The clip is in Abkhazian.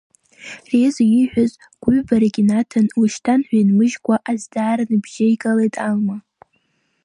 Резо ииҳәаз гәыҩбарак инаҭан уашьҭан ҳәа инмыжькәа азҵаара ныбжьеигалеит Алма.